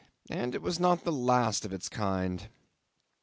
. and it was not the last of that kind.